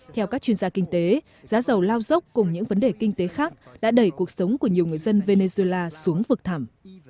theo các chuyên gia kinh tế giá dầu lao dốc cùng những vấn đề kinh tế khác đã đẩy cuộc sống của nhiều người dân venezuela xuống vực thảm